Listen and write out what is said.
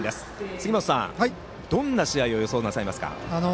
杉本さん、どんな試合を予想なさいますか。